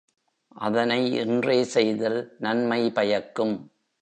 அதனை இன்றே செய்தல் நன்மை பயக்கும்.